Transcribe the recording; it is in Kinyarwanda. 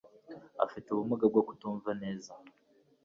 Afite ubumuga bwo kutumva neza